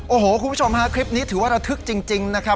โอ้โหคุณผู้ชมฮะคลิปนี้ถือว่าระทึกจริงนะครับ